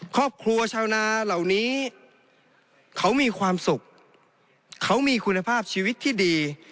ชาวนาเหล่านี้เขามีความสุขเขามีคุณภาพชีวิตที่ดี